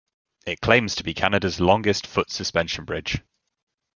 It claims to be Canada's longest foot suspension bridge.